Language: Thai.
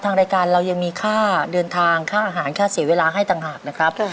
ทางรายการเรายังมีค่าเดินทางค่าอาหารค่าเสียเวลาให้ต่างหากนะครับ